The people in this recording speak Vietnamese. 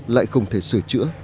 lại không thể sửa chữa